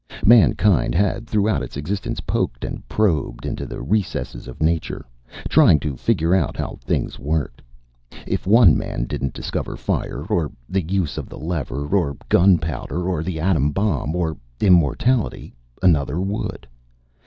Mankind had, throughout its existence, poked and probed into the recesses of nature, trying to figure out how things worked. If one man didn't discover fire, or the use of the lever, or gunpowder, or the atom bomb, or immortality, another would.